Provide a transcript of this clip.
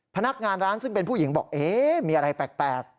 พนักงานร้านซึ่งเป็นผู้หญิงบอกเอ๊ะมีอะไรแปลก